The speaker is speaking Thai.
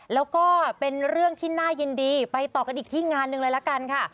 แล้วก็เป็นเรื่องที่น่ายินดีไปต่อกันอีกที่งานหนึ่งเลยละกันค่ะ